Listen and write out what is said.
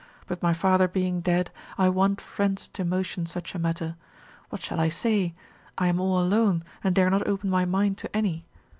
but my father being dead, I want friends to motion such a matter! What shall I say? I am all alone, and dare not open my mind to any.